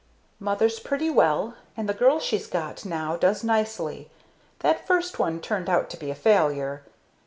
"Mother's pretty well, and the girl she's got now does nicely that first one turned out to be a failure.